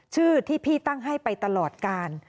ชื่อที่พี่ตั้งให้ไปตลอดกาล